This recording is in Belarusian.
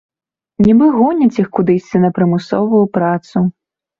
Нібы гоняць іх кудысьці на прымусовую працу.